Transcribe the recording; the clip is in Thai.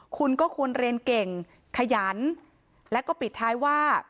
คุณก็ควรเรียนเก่งขยันแล้วก็ปิดท้ายว่า